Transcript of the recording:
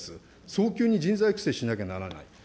早急に人材育成しなきゃならない。